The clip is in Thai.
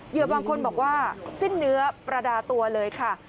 บางคนบอกว่าสิ้นเนื้อประดาตัวเลยค่ะ